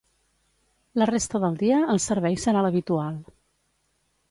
La resta del dia el servei serà l’habitual.